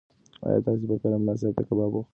ایا تاسو به کله ملا صاحب ته کباب پوخ کړئ؟